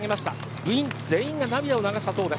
部員全員が涙を流したそうです。